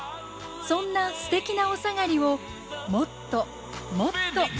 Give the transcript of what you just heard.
そんなステキなおさがりをもっともっと。